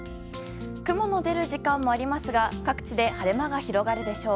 雲の出る時間もありますが各地で晴れ間が広がるでしょう。